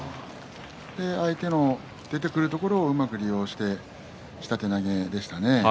相手の出てくるところうまく利用して下手投げでしたね。